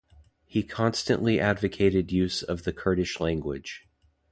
He constantly advocated use of the Kurdish language.